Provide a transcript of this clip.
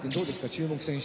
注目選手。